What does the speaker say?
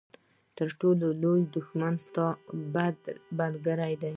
تر ټولو لوی دښمن ستا بد ملګری دی.